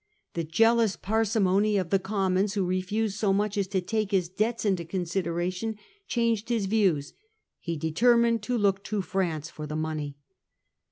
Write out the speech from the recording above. The jealous parsimony of the Commons, who refused so much as to take his debts into consideration, changed his views. He determined to look to France for the money.